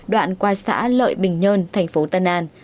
đoạn qua xã lợi bình nhân tp tân an